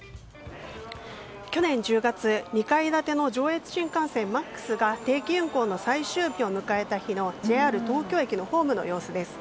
去年１０月、２階建ての上越新幹線「ＭＡＸ」が定期運行の最終日を迎えた日のＪＲ東京駅のホームの様子です。